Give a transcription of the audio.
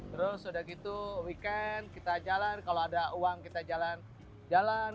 terus sudah gitu weekend kita jalan kalau ada uang kita jalan jalan